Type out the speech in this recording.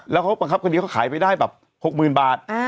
แล้วเขาบังคับคดีเขาขายไปได้แบบ๖๐๐๐บาท